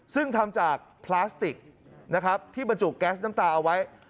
ซึ่งทำจากพลาสติกนะครับที่บรรจุแก๊สน้ำตาเอาไว้